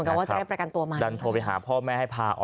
ญาตรรัฐโทษสูงใช่ไหม